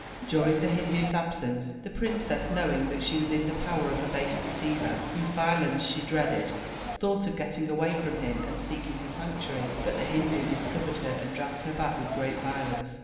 During the Hindu's absence, the princess, knowing that she was in the power of a base deceiver, whose violence she dreaded, thought of getting away from him and seeking a sanctuary. But the Hindu discovered her, and dragged her back with great violence.